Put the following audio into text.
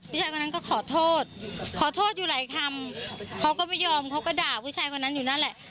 ผู้ชายคนนั้นก็ขอโทษขอโทษอยู่หลายคำเขาก็ไม่ยอมเขาก็ด่าผู้ชายคนนั้นอยู่นั่นแหละ